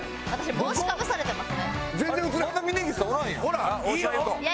帽子かぶされてます。